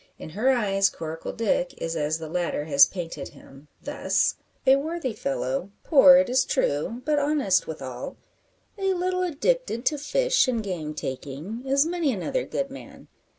In her eyes Coracle Dick is as the latter has painted him, thus "A worthy fellow poor it is true, but honest withal; a little addicted to fish and game taking, as many another good man.